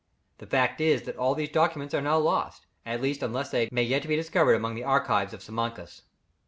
The fact is that all these documents are now lost, at least unless they may yet be discovered among the archives of Simancas.